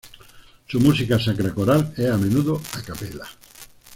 Su música sacra coral es a menudo a capella.